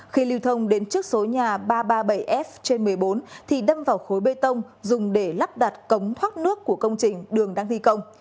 khi lưu thông đến trước số nhà ba trăm ba mươi bảy f trên một mươi bốn thì đâm vào khối bê tông dùng để lắp đặt cống thoát nước của công trình đường đang thi công